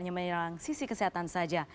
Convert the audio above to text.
hanya menyerang sisi kesehatan saja